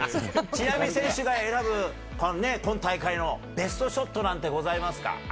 知那美選手が選ぶ、今大会のベストショットなんてございますか？